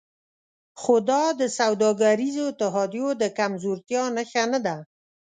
خو دا د سوداګریزو اتحادیو د کمزورتیا نښه نه ده